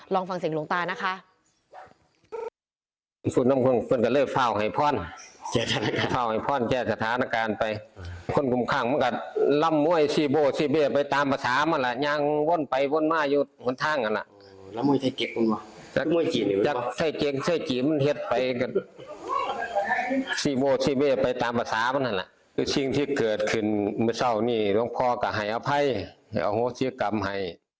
ลองฟังเสียงหลวงตานะคะ